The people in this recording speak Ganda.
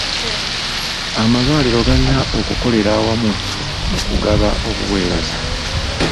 Amalwaliro galina okukolera awamu mu kugaba obuweereza.